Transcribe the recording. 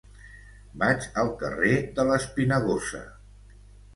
Vaig al carrer de l'Espinagosa.